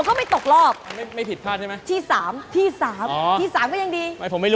๖๐วินาที